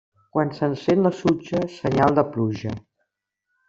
Quan s'encén la sutja, senyal de pluja.